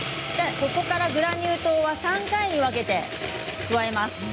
ここからグラニュー糖は３回に分けて加えます。